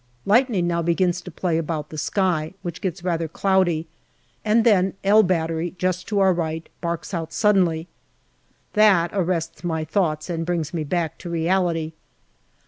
Lightning now begins to play about the sky, which gets rather cloudy, and then " L " Battery, just to our right, barks out suddenly. That arrests my thoughts and brings me back to reality.